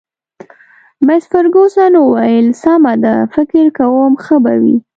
مس فرګوسن وویل: سمه ده، فکر کوم ښه به وي.